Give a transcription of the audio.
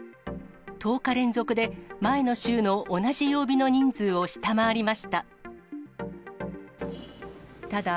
１０日連続で前の週の同じ曜日の人数を下回りました。